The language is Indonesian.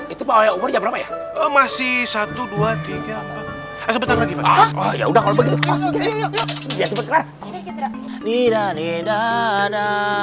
itu berapa ya masih seribu dua ratus tiga puluh empat ya udah